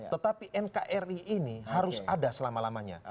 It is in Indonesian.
tetapi nkri ini harus ada selama lamanya